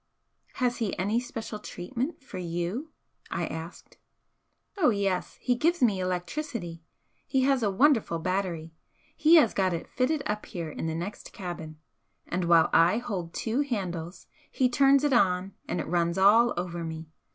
"Has he any special treatment for you?" I asked. "Oh yes, he gives me electricity. He has a wonderful battery he has got it fitted up here in the next cabin and while I hold two handles he turns it on and it runs all over me.